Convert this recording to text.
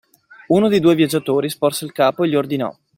Uno dei due viaggiatori sporse il capo e gli ordinò.